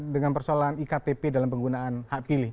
dengan persoalan iktp dalam penggunaan hak pilih